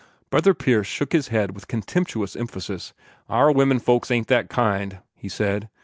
Brother Pierce shook his head with contemptuous emphasis. "Our women folks ain't that kind," he said.